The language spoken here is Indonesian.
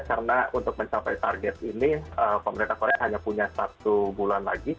karena untuk mencapai target ini pemerintah korea hanya punya satu bulan lagi